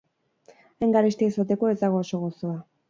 Hain garestia izateko, ez dago oso gozoa.